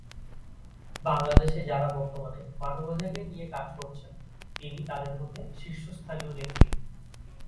বাংলাদেশে যাঁরা বর্তমানে মানবাধিকার নিয়ে কাজ করছেন, তিনি তাদের মধ্যে শীর্ষস্থানীয় নেত্রী।